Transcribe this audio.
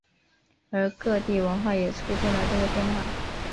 而各地文化也促进了这个变化。